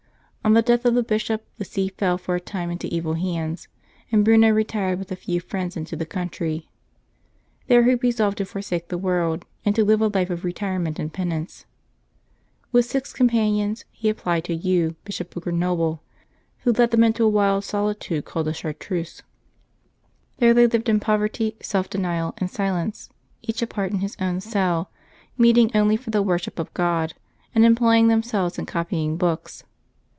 On the death of the bishop the see fell for a time into evil hands, and Bruno retired with a few friends into the country. There he resolved to forsake the world, and to live a life of retire ment and penance. With six companions he applied to Hugh, Bishop of Grenoble, who led them into a wild soli tude called the Chartreuse. There they lived in poverty, self denial, and silence, each apart in his own cell, meet OcTOBEB 7] LIVES OF TEE SAINTS 331 ing only for the worship of God, and employing themselves in copying books.